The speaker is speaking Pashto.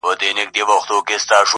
بس د رڼا په تمه ژوند کوي رڼا نه لري!.